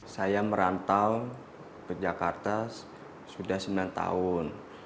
saya merantau ke jakarta sudah sembilan tahun